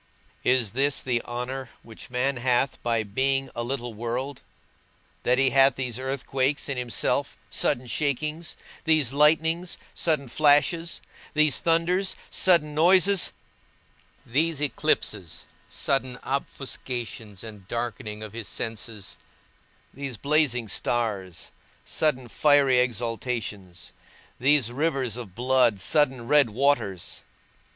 Is this the honour which man hath by being a little world, that he hath these earthquakes in himself, sudden shakings; these lightnings, sudden flashes; these thunders, sudden noises; these eclipses, sudden offuscations and darkening of his senses; these blazing stars, sudden fiery exhalations; these rivers of blood, sudden red waters?